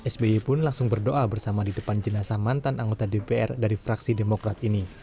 sby pun langsung berdoa bersama di depan jenazah mantan anggota dpr dari fraksi demokrat ini